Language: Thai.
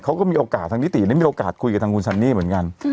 เขาก็มีโอกาสทางนิติได้มีโอกาสคุยกับทางคุณซันนี่เหมือนกัน